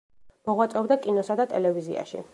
მოღვაწეობდა კინოსა და ტელევიზიაში.